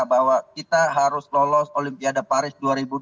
bahwa kita harus lolos olimpiade paris dua ribu dua puluh